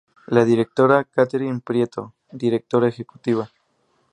La doctora Katherine Prieto, directora ejecutiva.